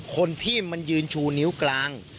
คนที่มันยืนชูนิ้วกลาง